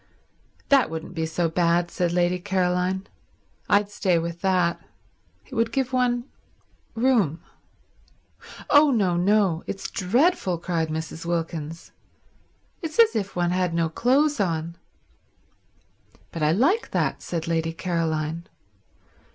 "That wouldn't be so bad," said Lady Caroline. "I'd stay with that. It would give one room." "Oh no, no—it's dreadful," cried Mrs. Wilkins. "It's as if one had no clothes on." "But I like that," said Lady Caroline.